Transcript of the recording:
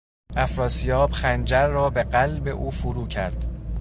افراسیاب خنجر را به قلب او فرو کرد.